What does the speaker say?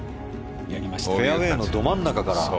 フェアウェーのど真ん中から。